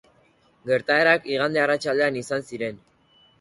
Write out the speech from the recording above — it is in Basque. Gertaerak igande arratsaldean izan ziren.